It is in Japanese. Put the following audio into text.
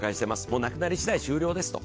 もう、なくなりしだい終了です。